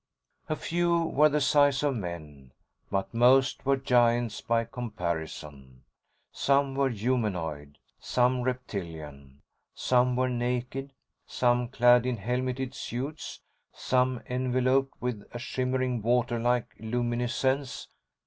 A few were the size of men, but most were giants by comparison. Some were humanoid, some reptilian. Some were naked, some clad in helmeted suits, some enveloped with a shimmering, water like luminescence.